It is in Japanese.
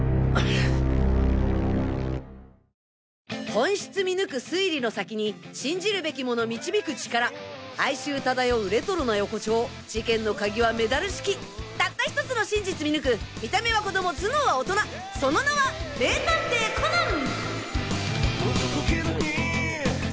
本質見抜く推理の先に信じるべきもの導く力哀愁漂うレトロな横丁事件のカギはメダル式たった１つの真実見抜く見た目は子供頭脳は大人その名は名探偵コナン！